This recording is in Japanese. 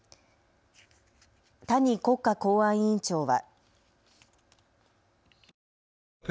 谷国家公安委員長は。